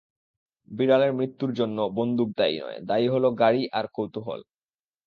বিড়ালের মৃত্যুর জন্য বন্দুক দায়ী নয়, দায়ী হলো গাড়ি আর কৌতূহল।